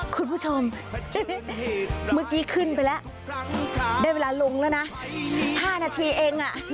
คุณผู้ชมเมื่อกี้ขึ้นไปแล้วได้เวลาลงแล้วนะ๕นาทีเอง